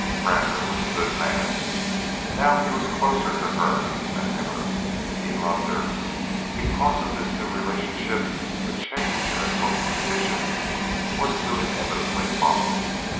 Brander was a good man; now he was closer to her than ever. He loved her. Because of this new relationship a change in her social condition was to inevitably follow.